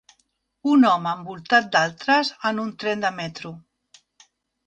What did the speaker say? Un home envoltat d'altres en un tren de metro